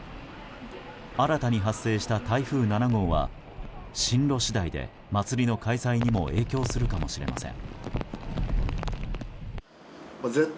新たに発生した台風７号は進路次第で祭りの開催にも影響するかもしれません。